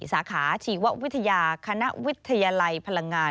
สาขาชีววิทยาคณะวิทยาลัยพลังงาน